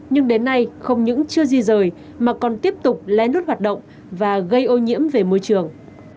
nhưng đến nay không những chưa di rời mà còn tiếp tục lén lút hoạt động và gây ô nhiễm về môi trường